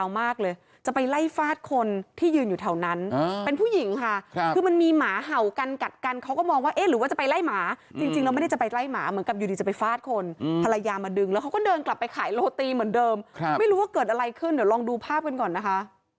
ไม่รู้ว่าเดินกลับไปขายโรตีเหมือนเดิมไม่รู้ว่าเกิดอะไรขึ้นเดี๋ยวลองดูภาพกันก่อนนะคะ